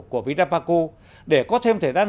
của vinapaco để có thêm thời gian